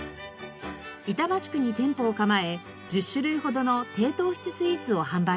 板橋区に店舗を構え１０種類ほどの低糖質スイーツを販売しています。